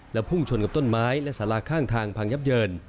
พุ่งชนกับต้นไม้และสาราข้างทางพังยับเยิน